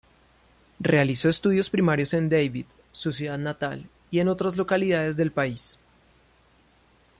Realizó estudios primarios en David, su ciudad natal, y en otras localidades del país.